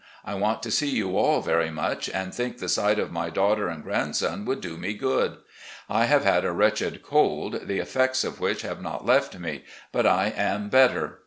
I want to see you all very much, and think the sight of my daughter and grandson would do me good. I have had a wretched cold, the effects of which have not left me, but I am better.